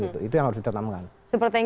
itu yang harus ditanamkan